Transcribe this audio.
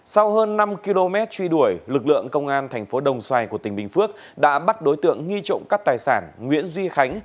sau hơn năm km truy đuổi lực lượng công an thành phố đồng xoài của tỉnh bình phước đã bắt đối tượng nghi trộm cắt tài sản nguyễn duy khánh